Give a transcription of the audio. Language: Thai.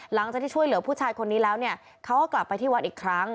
หลังจากที่ช่วยเหลือผู้ชายคนนี้แล้วเนี่ยเขาก็กลับไปที่วัดอีกครั้ง